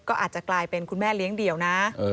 ก็อาจจะกลายเป็นคุณแม่เลี้ยงเดี่ยวนะ